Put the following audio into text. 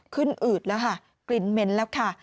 อืดแล้วค่ะกลิ่นเหม็นแล้วค่ะ